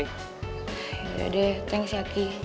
yaudah deh thanks yaki